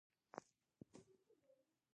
د کورنۍ فکر در سره نشته؟ جميلې وويل:.